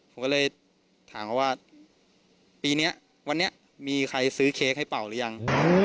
ผมก็เลยถามเขาว่าปีนี้วันนี้มีใครซื้อเค้กให้เป่าหรือยัง